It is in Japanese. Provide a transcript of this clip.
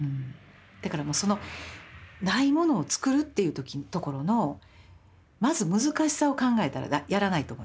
だからもうその「ないものをつくる」っていうところのまず難しさを考えたらやらないと思います。